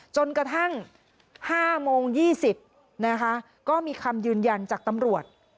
จนกระทั่ง๕โมง๒๐นะคะก็มีคำยืนยันจากตำรวจ